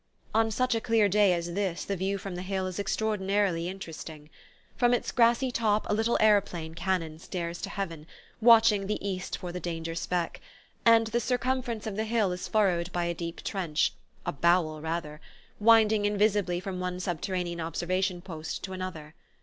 On such a clear day as this the view from the hill is extraordinarily interesting. From its grassy top a little aeroplane cannon stares to heaven, watching the east for the danger speck; and the circumference of the hill is furrowed by a deep trench a "bowel," rather winding invisibly from one subterranean observation post to another.